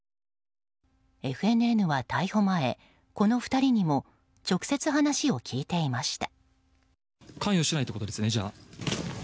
ＦＮＮは、逮捕前この２人にも直接、話を聞いていました。